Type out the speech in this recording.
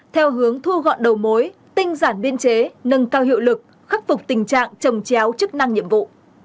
theo hướng thu gọn đầu mối tinh giản biên chế nâng cao hiệu lực khắc phục tình trạng trồng chéo chức năng nhiệm vụ